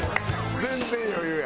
全然余裕や。